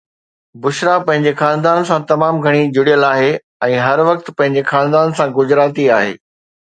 بشرا پنهنجي خاندان سان تمام گهڻي جڙيل آهي ۽ هر وقت پنهنجي خاندان سان گجراتي آهي